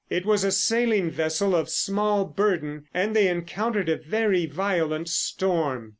It was a sailing vessel of small burden, and they encountered a very violent storm.